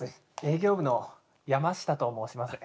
営業部の山下と申します。